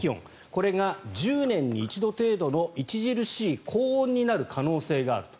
これが１０年に一度程度の著しい高温になる可能性があると。